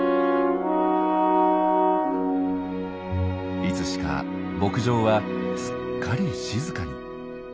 いつしか牧場はすっかり静かに。